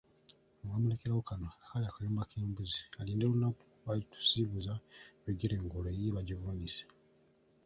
Ono baamulekerawo kano akaali akayumba k'embuzi alinda lunaku lw'alitusiibuza ebigere ng'olwo eyiye bagivuunise.